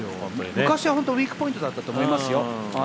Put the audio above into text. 昔はウイークポイントだったと思いますよ。